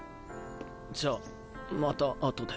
じゃあまたあとで。